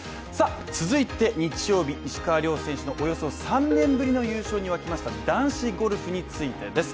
続いて日曜日、石川遼選手のおよそ３年ぶりの優勝に沸きました男子ゴルフについてです。